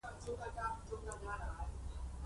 د کارخانو د جوړېدو مخنیوی یې وشي.